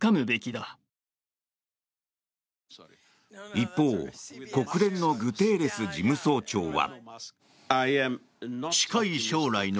一方、国連のグテーレス事務総長は。